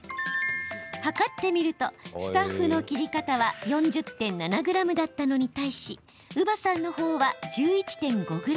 量ってみるとスタッフの切り方は４０．７ｇだったのに対し伯母さんのほうは１１．５ｇ。